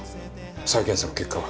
再検査の結果は？